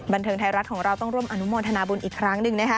บันเทิงไทยรัฐของเราต้องร่วมอนุโมทนาบุญอีกครั้งหนึ่งนะคะ